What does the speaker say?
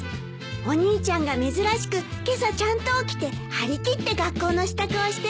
お兄ちゃんが珍しく今朝ちゃんと起きて張り切って学校の支度をしてるの。